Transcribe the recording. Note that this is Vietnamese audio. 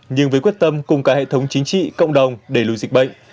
nhưng với quyết tâm cùng cả hệ thống chính trị cộng đồng đẩy lùi dịch bệnh